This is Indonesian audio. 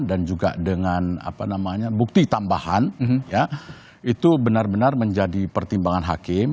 dan juga dengan bukti tambahan itu benar benar menjadi pertimbangan hakim